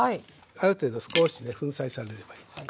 ある程度少しね粉砕されればいいです。